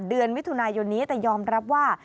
เดือนมิถุนายนนี้แต่ยอมรับว่า